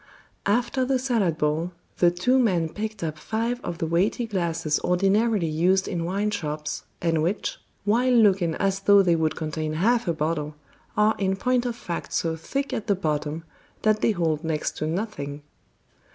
After the salad bowl, the two men picked up five of the weighty glasses ordinarily used in wine shops, and which, while looking as though they would contain half a bottle, are in point of fact so thick at the bottom that they hold next to nothing.